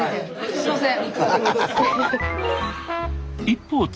すいません。